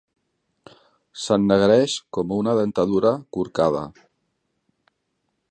S'ennegreix com una dentadura corcada.